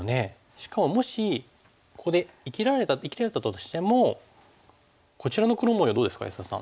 しかももしここで生きれたとしてもこちらの黒模様どうですか安田さん。